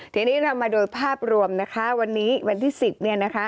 ทีนี้เรามาโดยภาพรวมนะคะวันนี้วันที่๑๐เนี่ยนะคะ